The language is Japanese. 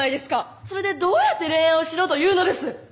それでどうやって恋愛をしろというのです？